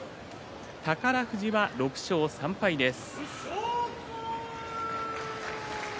宝富士は６勝３敗です。